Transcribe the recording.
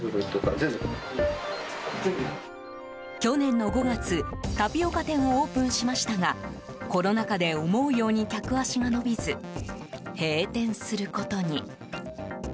去年の５月タピオカ店をオープンしましたがコロナ禍で、思うように客足が伸びず閉店することに。